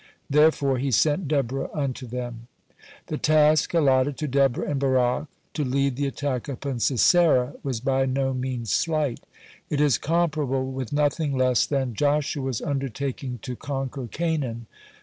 Therefore He sent Deborah unto them. (78) The task allotted to Deborah and Barak, to lead the attack upon Sisera, was by no means slight. It is comparable with nothing less than Joshua's undertaking to conquer Canaan.